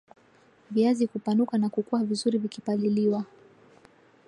viazi kupanuka na kukua vizuri vikipaliliwa